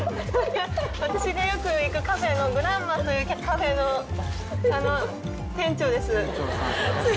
私がよく行くカフェの「グランマ」というカフェの店長です。